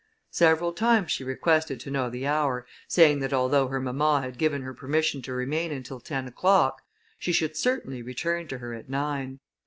Several times she requested to know the hour, saying that although her mamma had given her permission to remain until ten o'clock, she should certainly return to her at nine.